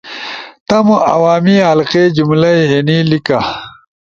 تمو عوامی حلقے جملہ ئی اینی لیِکا